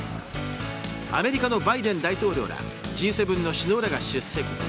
アメリカのバイデン大統領らＧ７の首脳らが出席。